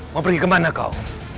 mau pergi ke mana kau